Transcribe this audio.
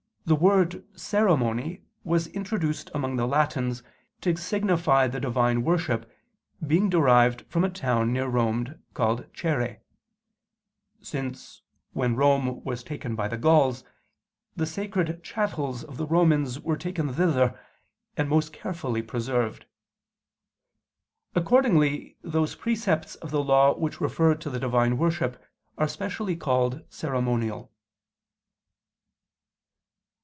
i, 1], the word "ceremony" was introduced among the Latins, to signify the Divine worship, being derived from a town near Rome called "Caere": since, when Rome was taken by the Gauls, the sacred chattels of the Romans were taken thither and most carefully preserved. Accordingly those precepts of the Law which refer to the Divine worship are specially called ceremonial.